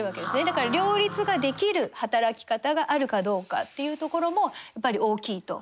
だから両立ができる働き方があるかどうかっていうところもやっぱり大きいと。